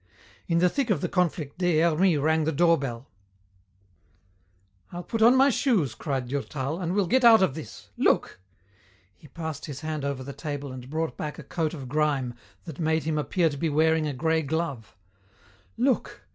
In the thick of the conflict Des Hermies rang the door bell. "I'll put on my shoes," cried Durtal, "and we'll get out of this. Look " he passed his hand over the table and brought back a coat of grime that made him appear to be wearing a grey glove "look.